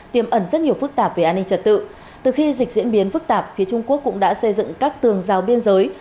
tiềm ẩn rất nhiều phức tạp về an ninh trật tự từ khi dịch diễn biến phức tạp phía trung quốc cũng đã xây dựng các tường rào biên giới